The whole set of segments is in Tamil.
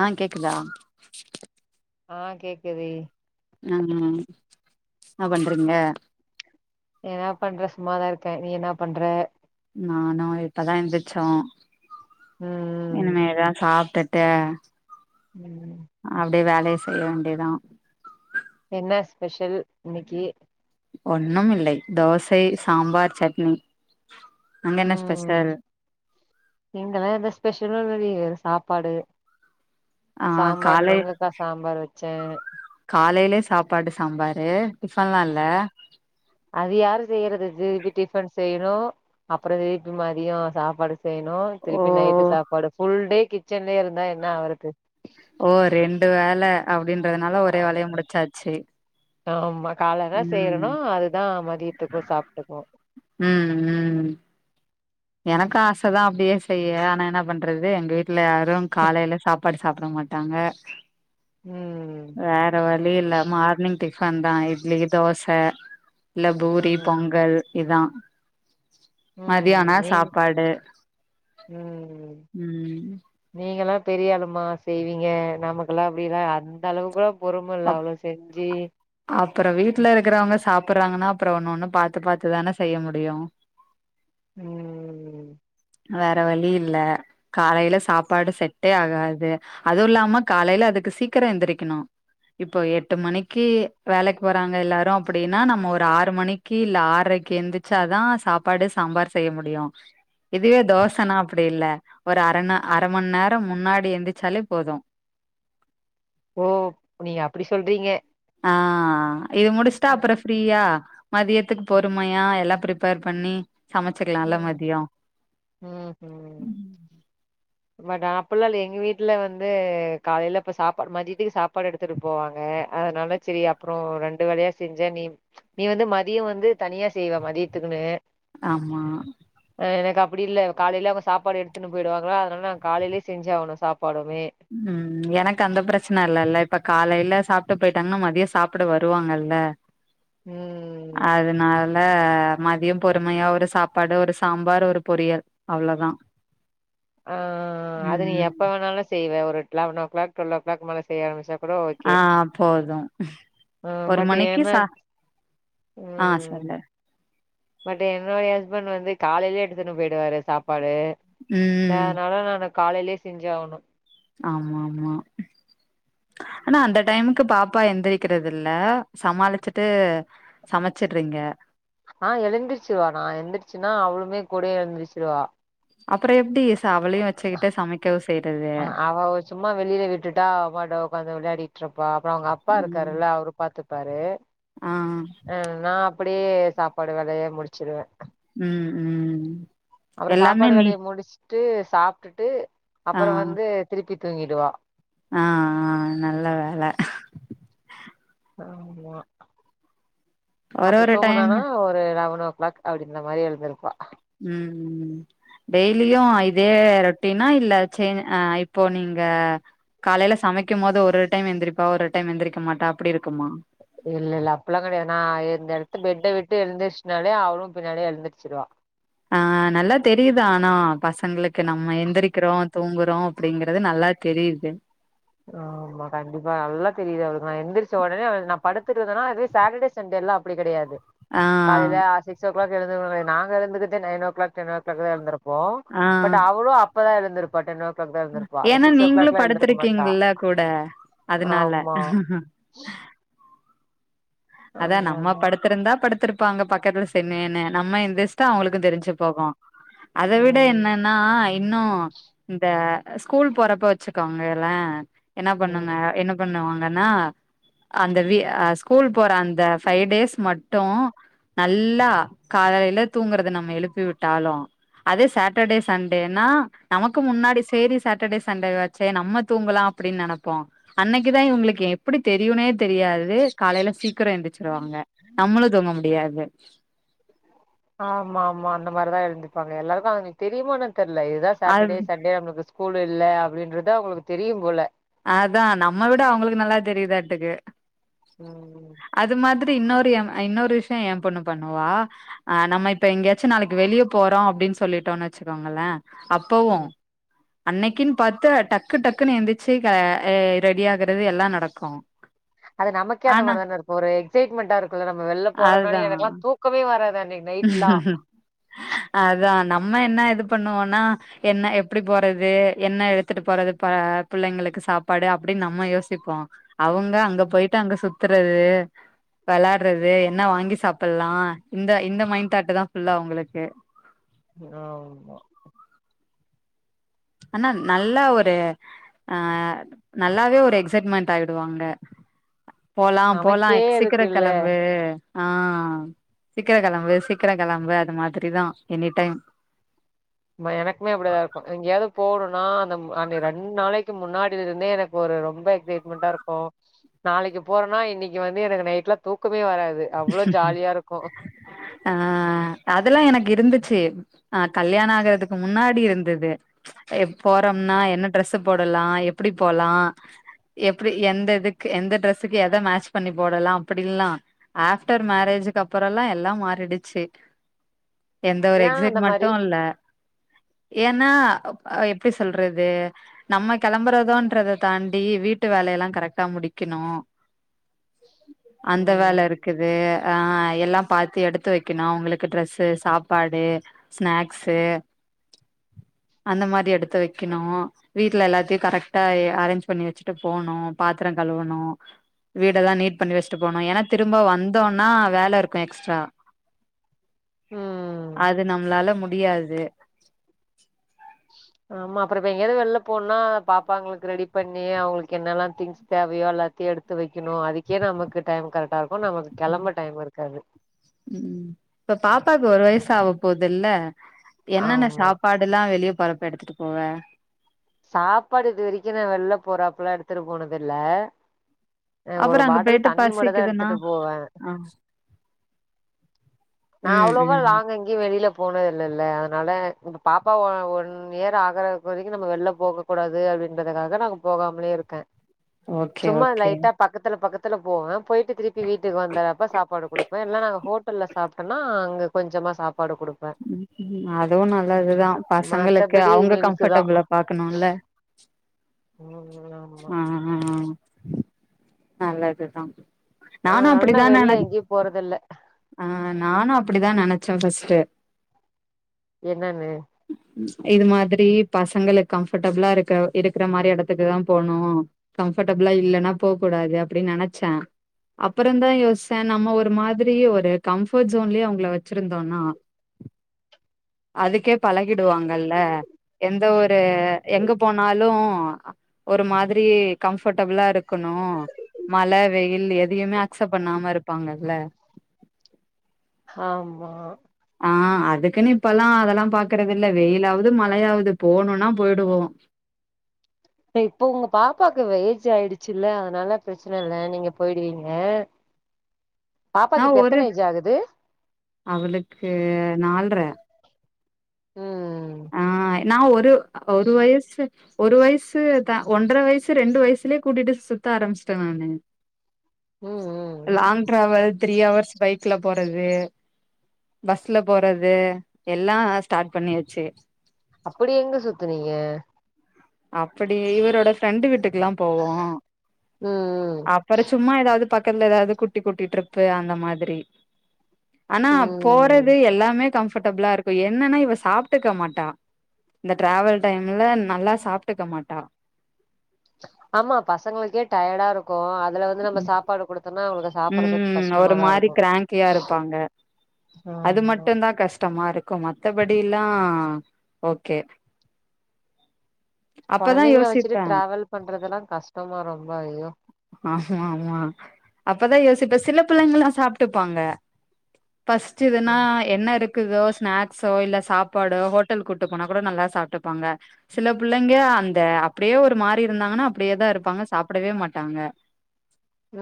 ஆ கேக்குதா ஆஹ் கேக்குதே உம் ம் என்ன பண்றீங்க என்னா பண்றே சும்மாதா இருக்கே நீ என்னா பண்ற நானா இப்பதா எந்திரிச்சோ ம் இனிமே தா சாப்டுட்டு ட உம் அப்டியே வேலைய செய்ய வேண்டியதா என்ன ஸ்பெஷல் இன்னைக்கி ஒன்னும் இல்லை தோசை சாம்பார் சட்னி அங்க என்ன ஸ்பெஷல் இங்கலா எந்த ஸ்பெஷலு இல்லடி சாப்பாடு ஆ சாம்பார் முருங்கக்கா சாம்பார் வச்சே காலைலே சாப்பாடு சாம்பாரு டிஃபன்லா இல்ல அது யாரு செய்யறது திருப்பி டிஃபன் செய்யணு அப்புறோ திருப்பி மதியோ சாப்பாடு செய்ணு ஓ திருப்பி நைட்டு சாப்பாடு ஃபுல் டே கிச்சன்லயே இருந்தா என்னா ஆவுறது ஓ ரெண்டு வேல அப்டின்றதுனால ஒரே வேலையா முடிச்சாச்சு ஆமா காலைல என்ன செய்றேனோ ம் அதுதா மதியத்துக்கு சாப்ட்டுக்குவோ உம் உம் எனக்கு ஆச தா அப்டியே செய்ய ஆனா என்னா பண்றது எங்க வீட்டுல யாரு காலைல சாப் பாடு சாப்ட மாட்டாங்க உம் வேற வழி இல்ல மார்னிங் டிஃபன் தா இட்லி தோச இல்ல பூரி ம் பொங்கல் இதா ம் மதியானோ நீ சாப்பாடு ம் உம் நீங்கல்லா பெரியாளுமா செய்வீங்க நமக்கெல்லா அப்டில்லா அந்த அளவுக்குளா பொறுமல்ல அவ்ளோ செஞ்சி அப்றோ வீட்ல இருக்கிறவங்க சாப்பிட்றாங்கன்னா அப்றோ ஒன்னு ஒண்ணு பாத்து பாத்து தானே செய்ய முடியு உம் உம் உம் வேற வழி இல்ல காலைய்ல சாப்பாடு செட்டே ஆகாது அதுவு இல்லாம காலையில அதுக்கு சீக்கிர எந்திரிக்கணு இப்போ எட்டு மணிக்கு வேலைக்கு போறாங்க எல்லாரு அப்டின்னா நம்ம ஒரு ஆறு மணிக் கீ இல்ல ஆரைக்கு எந்திச்சாதா சாப்பாடு சாம்பார் செய்ய முடியு இதுவே தோசனா அப்டி இல்ல ஒரு அரைந அரை மண்நேர முன்னாடி எந்திச்சாலே போது ஓ நீங்க அப்டி சொல்றீங்க ஆ இது முடிச்டா அப்றோ ஃப்ரீயா மதியத்துக்கு பொறுமையா எல்லா ப்ரிப்பேர் பண்ணி சமைச்சுக்கலால்ல மதியோ உம் ஹும் பட் ஆநா அப்பில்லா இல்ல எங்க வீட்ல வந்து காலைய்ல இப்ப சாப்பாடு மதித்திக்கு சாப்பாடு எடுக் த்துட்டு போவாங்க அதனால சரி அப்றோ ரெண்டு வேலயா செஞ்ச நீ நீ வந்து மதியோ வந்து தனியா செய்வ மதியத்துக்குன்னு ஆமா அ எனக்கு அப்டி இல்ல காலெல அவங்க சாப்பாடு எடுத்துன்னு போயிடுவாங்ளா அதனால நா காலலயே செஞ்சாவ்ணு சாப்பாடுமே உம் எனக்கந்த பிரச்சன இல்லல்ல இப்ப காலையில சாப்ட்டு போயிட்டாங்கன்னா மதிய சாப்ட வருவாங்கல்ல உம் அதனால மதியம் பொறுமையா ஒரு சாப்பாடு ஒரு சாம்பார் ஒரு பொரியல் அவ்ளோதா ஆ ம் அது நீ ம் எப்ப வேணாலு செய்வ ஒருட் eleven o'clock twelve clock மேல செய்ய ஆரம்பிச்சா கூட ஓகே ஆ போது ம் ஒரு பட் மணிக்கு என்ன சா ஆ ம் சொல்லு பட் என்னுடைய ஹஸ்பண்ட் வந்து காலைலே எடுத்துனு போயிடுவாரு சாப்பாடு ம் ச அதனால நானு காலைலே செஞ்சாகணு ஆமாம்மா ஆனா அந்த டைமுக்கு பாப்பா எந்திரிக்கிறதில்ல சமாளிச்சுட்டு சமச்சுட்றீங்க ஆ எழுந்திரிச்சிருவா நா எந்ரிச்சுனா அவளுமே கூடயே எழுந்திரிச்சிருவா அப்பற எப்டி இசா அவலையு வெச்சுக்கிட்டு சமைக்கவு செய்றது அவ சும்மா வெளில விட்டுட்டா அவபாட்டு ஒக்காந்து விளாடிட்ருப்பா அப்பற அவ்ங்க அப்பா ம் இருக்காருல அவரு பாத்துப்பாரு ஆ அ நா அப்டியே சாப்பாடு வேலைய முடிச்சிருவே ம் ம் அப்பற எல்லாமே சாப்பாடு நீ வேலைய முடிச்ட்டு சாப்ட்டுட்டு ஆ அப்பற வந்து திருப்பி தூங்கிடுவா ஆ ஆ நல்ல வேல ஆமா ஒரு அப்ற ஒரு டைம் தூங்குனோன ஒரு லெவன் ஓ க்ளாக் அப்டி இந்த மாரி எழுந்திருப்பா ம் ம் டெய்லியு இதே ரொட்டின் னா இல்ல சே ஆ இப்போ நீங்க காலைல சமைக்கும் போது ஒரு டைம் எந்திரிப்பா ஒரு டைம் எந்திரிக்க மாட்டா அப்டி இருக்குமா இல்லல்ல அப்பிட்லா கெடையாது நா இந்த எடத்த பெட்ட விட்டு எழுந்திருச்சுனாலே அவளு பின்னாலே எழுந்திருச்சுருவா ஆ நல்லா தெரியுது ஆனா பசங்களுக்கு நம்ம எந்திரிக்கிறோ தூங்குறோ அப்டிங்கிறது நல்லா தெரியுது ஆமா கண்டிப்பா நல்லா தெரியுது அவளுக்கு நா எந்திரிச்ச ஒடனே அவ நா படுத்துட்ருந்தனா இது சாட்டர்டே சண்டேல அப்டி கெடையாது ஆ காலைல சிக்ஸ் ஓ கிளாக் எழுந்திருக்கனுமே நாங்க எழுந்திரிக்கதே nine o'clock ten o'clock தா எழுந்திரிப் போ ஆ பட் அவளு அப்பதா எழுந்திரிப்பா டென் ஓ கிளாக் தா எழுந்திரிப்பா அந்த சிக்ஸ் ஓ கிளாக்லா எழுந்திரிக்க மாட் ங்கில்ல கூட அதனால அதா ஆமா நம்ம ஆமா படுத்துருந்தா படுத்திருப்பாங்க பக்கத்துல செவ்னேன்னு நம்ம எந்திரிச்ட்டா அவ்ங்களுக்கு தெரிஞ்சு போகு அத விட ம் என்னன்னா இன்னு இந்த அ ஸ்கூல் போறப்ப வச்சுக்கோங்களே என்ன ம் பண்ணுங்க என்ன பண்ணுவாங்கனா அந்த வி அ ஸ்கூல் போற அந்த ஃபைவ் டேஸ் மட்டு நல்லா காலைல தூங்குறது நம்ம எழுப்பி விட்டாலு அதே சாட்டர்டே சண்டேனா நமக்கு முன்னாடி சேரி சாட்டர்டே சண்டேவாச் சே நம்ம தூங்கலா அப்டின் நெனப்போ அன்னைக்கு தா இவ்ங்களுக்கு எப்டி தெரியுனே தெரியாது காலைல சீக் கிர எந்திரிச்சுருவாங்க நம்மளு தூங்க முடியாது ஆமாம்மா அந்த மாரிதா எழுந்திரிப்பாங்க எல்லாருக்கு அதுங்களுக்கு தெரியுமோ என்னன் தெர்ல இதுதா அது சாட்டர்டே சண்டே நம்மளுக்கு ஸ் கூல் இல்ல அப்டின்றது அவ்ங்களுக்கு தெரியும் போல அதா நம்ம விட அவ்ங்களுக்கு நல்லா தெரியுதாட்டுக்கு ம் அது மாதிரி இன்னொரு எம் அ இன்னொரு விஷ்ய எ பொண்ணு பண்ணுவா ஆ நம்ம இப்ப எங்கயாச்சு நாளைக்கி வெளிய போறோ அப்டின்னு சொல்லிட்டோன்னு வச்சுக்கோங்களே அப்பவு ம் அன்னைக்கின் பாத்து டக்கு டக்குன்னு எந்தி ச்சீ க ஏ ரெடி ஆகறது எல்லா நடக்கு அது நமக்கே அந்த மாரி தானே இருக்கு ஒரு எக்சைட்மெண்ட்டா இருக்குல்ல நம்ம வெள்ல போறோனாலே எனக்குலா தூக்கமே வராது அன்னைக் அதா நம்ம என்னா இது பண்ணுவோனா என்ன எப்டி போறது என்ன எடுத்துட்டு போறது ப புள்ளைங்களுக்கு சாப்பாடு அப்டின் நம்ம யோசிப்போ அவுங்க அங்க போயிட்டு அங்க சுத்துறது வெளாட்றது என்ன வாங்கி சாப்பில்லா இந்த இந்த மைண்ட் தாட்டு தா ஃபுல்லா அவுங்களுக்கு ஆமா அனா நல்லா ஒரு அ நல்லாவே ஒரு எக்சைட்மென்ட் ஆயிடுவாங்க போலா போலா நமக்கே எக் சிக்கிரோ இருக்குல்ல கெழம்பு ஆ சீக்கிர கெழம்பு சீக்கிர கெழம்பு அது மாதிரிதா எனி டைம் ஆமா எனக்குமே அப்புடிதா இருக்கு எங்கயாவ்து போணுனா அந்த அன்னி ரெண்டு நாளைக்கு முன்னாடியில இருந்தே எனக் ஒரு ரொம்ப எக்சைட்மெண்ட்டா இருக்கு நாளைக்கி போறோனா இன்னைக்கி வந்து எனக்கு நைட்ல தூக்கமே வராது அவ்ளோ ஜாலியா இருக்கு அ அதுல்லா எனக்கு இருந்துச்சு ஆ கல்யாணோ ஆகற்துக்கு முன்னாடி இருந்தது எப் போறம்னா என்ன ட்ரெஸ் போடலா எப்டி போலா எப்புடி எந்த இதுக் எந்த டிரெஸ்ஸுக்கு எத மேட்ச் பண்ணி போடலா அப்படின்ல்லா ஆஃப்டர் மேரேஜுக்கு அப்புறல்லா எல்லா மாறிடுச்சு எந்த ஒரு ஏ எக்சைட் அந்த மாரி மண்ட்டு இல்ல ஏன்னா எப்டி சொல்றது நம்ம கெளம்பறோதுன்ற தாண்டி வீட்டு வேலையெல்லா கரெக்டா முடிக்கணு அந்த வேல இருக் ம் க்குது அ எல்லாம் பாத்து எடுத்து வைக்கணு அவ்ங்களுக்கு டிரெஸ்ஸு சாப்பாடு ஸ்நாக்ஸு அந்த மாரி எடுத்து வெக்கணு வீட்ல எல்லாத்தையு கரெக்டா அரேஞ்ச் பண்ணி வச்சுட்டு போணு பாத்திர கழுவணு வீடல்லா நீட் பண்ணி வச்ட்டு போனோ ஏன்னா திரும்ப வந்தோனா வேல இருக்கு எக்ஸ்ட்ரா ம் அது நம்ளால முடியாது ஆமா அப்புற இப்ப எங்கயாது வெள்ல போனா பாப்பாங்களுக்கு ரெடி பண்ணி அவ்ங்களுக்கு என்னெல்லா திங்ஸ் தேவையோ எல்லாத்தையு எடுத்து வெக்கணு அதுக்கே நமக்கு டைம் கரெக்டா இருக்கு நமக்கு ம் கெளம்ப டைம் இருக்காது ம் இப்ப பாப்பாக்கு ஒரு வயசு ஆவ போதுல்ல என்னென்ன ஆமா சாப்பாட் டெல்லா வெளிய போரப்ப எட்த்துட்டு போவ சாப்பாடு இது வரைக்கு நா வெள்ல போறாப்ல்லா எடுத்துட்டு போனது இல்ல அ ஒரு அப்புறோ அங்க பாட்டில் போயிட்டு தண்ணி மட்டு தா பசிக்குதுன்னா எடுத்துட்டு போவ ஆ நா ம் அவ்ளோவா ம் லாங்கங் ங்கெயு வெளில போன இல்லல அதனால பாப்பா ஒன் இயர் ஆகுறக்கு வரைக்கு நம்ம வெள்ல போக கூடாது அப்டின்றதுக்காக நாங்க போகாமலே இருக்கே ஓகே சும்மா ஓகே லைட்டா பக்கத்துல பக்கத்துல போவ போயிட்டு திருப்பி வீட்டுக்கு வந்துறப்ப சாப்பாடு குடுப் ல்ல நா ஹோட்டல்ல சாப்ட்டோனா அங்க கொஞ்சமா சாப் பாடு குடுப்பே ம் அதுவு நல்லதுதா பசங்களுக்கு மத்தபடி அவங்க மில்க்கு தா கம்ஃபர்டபிளா பாக்கணுல்ல ம் ஆமா ஆ ஆ ஆ நல்லதுதா நானு அதனால நா அப்டிதா வெள்ல நெனச் எங்கயு போறதில்ல ஆ நானு அப்டிதா நெனைச்சே ஃபர்ஸ்ட்டு என்னன்னு இது மாதிரி பசங்களுக் கம்ஃபர்ட்டபிளா இருக்க இருக்கற மாரி எடத்துக்கு தா போணு கம்ஃபர்டபிளா இல்லன்னா போக கூடாது அப்டின்னு நெனச்ச அப்பறந்தா யோச்ச நம்ம ஒரு மாதிரி ஒரு கம்ஃபோர்ட் ஜோன்லே அவங்கள வச்சிருந்தோனா அதுக்கே பழகிடுவாங்கல்ல எந்த ஒரு எங்க போனாலு ஒரு மாதிரி கம்ஃபர்ட்டபிளா இருக்கணு மழ வெயில் எதையுமே அஸ்சப் பண்ணாம இருப்பாங்கல்ல ஆமா ஆ அதுக்குன்னு இப்பல்லா அதெல்லா பாக்குறது இல்ல வெயிலாவது மழையாவது போணுன்னா போயிடுவோ ல இப்ப உங்க பாப்பாவுக்கு வ ஏஜ் ஆயிடுச்சு இல்ல அதனால பிரச்சன இல்ல நீங்க போயிடுவீங்க நா பாப்பாக்கு இப்ப ஒரு எத்தன ஏஜ் ஆகுது அவளுக்கு நால்ற ம் நா ஒரு ஒரு வயசு ஒரு வயசு த ஒன்ற வயசு ரெண்டு வயசுலே கூட்டிட்டு சுத்த ஆரம்பிச்சிட்ட நானு ம் ம் long travel three hours bike க்ல போறது பஸ்ல போறது எல்லா ஸ்டார்ட் பண்ணியாச்சு அப்டி எங்க சுத்துனீங்க அப்டி இவரோட ஃப்ரெண்டு வீட்டுக்ல்லா போவோ அப் ம் அப்பற சும்மா ஏதாவது பக்கத்துல ஏதாவது குட்டி குட்டி ட்ரிப்பு அந்த மாதிரி ஆனா ம் ம் போறது எல்லாமே கம்ஃபர்ட்டபிளா இருக் இப்ப என்னன்னா இவ சாப்ட்டுக்க மாட்டா இந்த டிராவல் டைம்ல நல்லா சாப்ட்டுக்க மாட்டா ஆமா பசங்களுக்கே கேட் டயர்டா இருக்கு அதுல வந்து நம்ம சாப்பாடு குடுத்தன்னா அவங்களுக்கு சாப்டறக்கு கஷ்டமாதா இரு த மாரி கிராங்கியா இருப்பாங்க அது ஆமா மட்டுந்தா கஷ்டமா இருக் கு மத்தபடில்லா ஓகே அப்பதா கொழந்தைங்கள வச்சுட்டு யோசிப்பே டிராவல் பண்றதெல்லா கஷ்டமா ரொம்ப ஐயோ ஆமா ஆமா அப்பதா யோசிப்பே சில பிள்ளங்களா சாப்ட்டுப்பாங்க ஃபஸ்ட்டு ம் எதுன்னாய் என்ன இருக்குதோ ஸ்நாக்ஸோ இல்ல சாப்பாடோ ஹோட்டல் கூட்டு போனா கூட நல்லா சாப்ட்டுப்பாங்க சில புள்ளைங்க அந்த அப்டியே ஒரு மாரி இருந்தாங்கன்னா அப்டியே தா இருப்பாங்க சாப்பிடவே மாட் டாங்க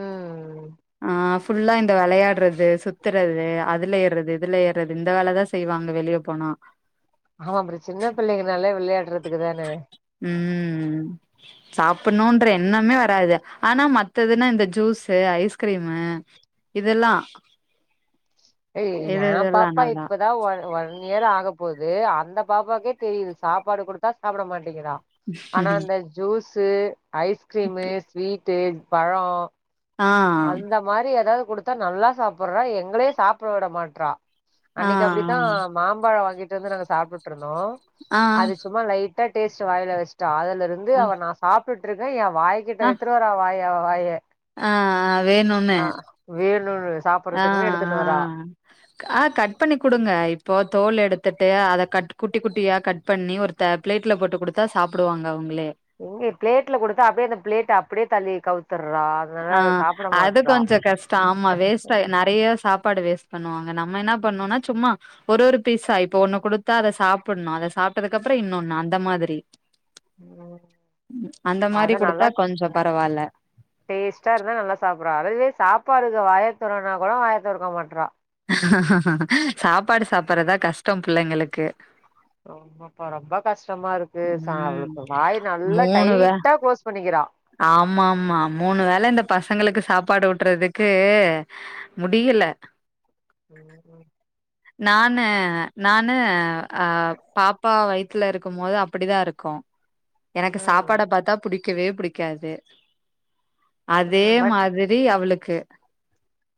ம். ஆ ஃபுல்லா இந்த வெளையாட்றது சுத்துறது அதுல ஏர்றது இதுல ஏர்றது இந்த வேல தா செய்வாங்க வெளிய போனா ஹ அப்ற சின்ன பிள்ளைங்கனாலே விளையாட்றதுக்கு தானே ம் சாப்பணுன்ற எண்ணமே வராது ஆனா மத்ததுன்னா இந்த ஜூஸ்சு ஐஸ்கிரீமு இதெல்லா ஏய் இது ஏ இதெல்லா பாப்பா நல்லா இப்ப தா ஒ ஒன் இயர் ஆக போது அந்த பாப்பாக்கே தெரியுது சாப்பாடு குடுத்தா சாப்பிட மாட்டேங்றா ஆனா இந்த ஜூஸ்சு ஐஸ்கிரீமு ஸ்வீட்டு பழோ ஆ ஆ அந்த மாரி ஏதாது குடுத்கதா நல்லா சாப்ட்றா எங்ளே சாப்ட விட மாட்றா ஆ அன்னைக்கி அப்டிதா மாம்பழ வாங்கிட்டு வந்து நாங்க சாப்ட்டுட்டு இருந்தோ ஆ ஆ அது சும்மா லைட்டா டேஸ்ட் வாய்ல வச்ட்டா அதுல இருந்து அவ நா சாப்ட்டுட்டு இருக்க எ ஆ வாய்கிட்ட எடுத்துட்டு வந்து வாய அவ வாய ஆ ஆ வேணுன் நா வேணுனு சாப் ஆ ஆ ஆ கட் பண்ணி் குடுங்க இப்போ தோல் எடுத்துட்டு அத கட் குட்டி குட்டியா கட் பண்ணி ஒரு த பிளேட்ல போட்டு குடுத்தா சாப்டுவாங்க அவங்ளே எங்க பிளேட்ல கொடுத்தா அப்டியே அந்த பிளேட் அப்டியே தள்ளி கவுத்துர்றா அதனால ஆ அத சாப்ட அது மாட்றா கொஞ்ச கஷ்ட ஆமா வேஸ்ட் ஆயிரு நா நெறைய சாப்பாடு வேஸ்ட் பண்ணுவாங்க நம்ம என்ன பண்ணோனா சும்மா ஒரு ஒரு பீஸா இப்ப ஒண்ணு கொடுத்தா அத சாப்பிட்ணு அத சாப்ட்டதுக்கப்ற இன்னொன்னு அந்த மாதிரி உம் ம் அந்த மாரி அத நல்லா குடுத்தா கொஞ்சோ பரவால்ல டேஸ்ட்டா இருந்தா நல்லா சாப்ட்றா அதுவே சாப்பாடுக்கு வாய தொறனா கூட வாய தொறக்க மாட்றா சாப்பாடு சாப்பட்றதா கஷ்ட பிள்ளைங்களுக்கு ஆமாப்பா ரொம்ப கஷ்டமா இருக்கு ச ம் அவளுக்கு வாய் நல்லா வே டைட்டா கிளோஸ் பண்ணிக்கிறா ஆமா ஆமா மூணு வேள இந்த பசங்களுக்கு சாப்பாடு ஊட்றதுக்கு முடியல ம் ம் நானு நானு அ பாப்பா வைத் துல இருக்கும் போது அப்டிதா இருக்கு எனக்கு ம் சாப்பாட பாத்தா புடிக்கவே புடிக் காது அதே ம் பட் மாதிரி அவளுக்கு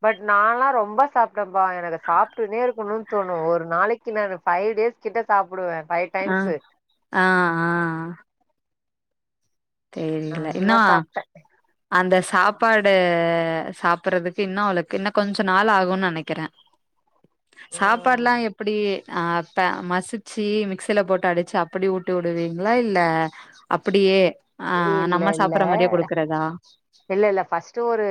பட் நால்லா ரொம்ப சாப்ட்டேபா எனக்கு சாப்டுனே இருக்கணுனு தோணு ஒரு நாளைக்கு க்கு நானு ஃபைவ் டேஸ் கிட்ட சாப்பிடுவே ஃபை அ ஆ ஆ ஆ தெரியல. நல்லா இன்னும் சாப்ட்டே அந்த சாப்பாடு சாப்பறதுக்கு இன்னு அவ்ளுக்கு இன்னு கொஞ்ச நாளாகுனு நினைக்கிறே [inaudible] சாப்பாடுலா ம் எப்டி அ அப்ப மசிச்சு மிக்சில போட்டு அடிச்சு அப்டி ஊட்டி விடுவீங்ளா இல்ல அப்டியே ஆ இல்ல நம்ம இல்ல சாப்பற மாரியே குடுக்றதா இல்ல இல்ல ஃபர்ஸ்ட்டு ஒரு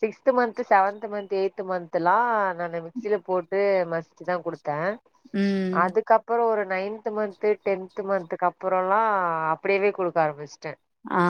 sixth month seventh month eighth மந்த்தலா நானு மிக்சில போட்டு மஸ் சிதா கொடுத்தே ம் அதுக்கப்றோ ஒரு நைன்து மந்த்து டென்து மந்த்து அப்புறோயெல்லா அப்டியவே கொடுக்க ஆருமிச்டே ஆ